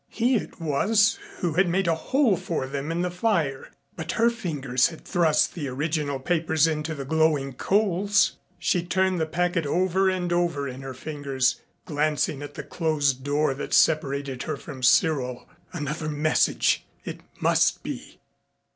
He it was who had made a hole for them in the fire, but her fingers had thrust the original papers into the glowing coals. She turned the packet over and over in her fingers, glancing at the closed door that separated her from Cyril. Another message! It must be.